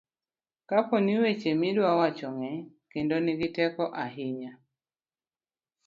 kapo ni weche midwa wacho ng'eny kendo nigi teko ahinya